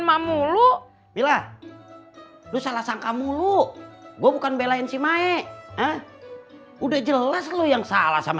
emak mulu bila lu salah sangka mulu gua bukan belain si mae udah jelas lu yang salah sama